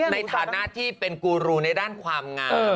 ในฐานะที่เป็นกูรูในด้านความงาม